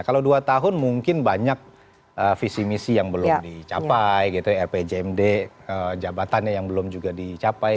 kalau dua tahun mungkin banyak visi misi yang belum dicapai gitu rpjmd jabatannya yang belum juga dicapai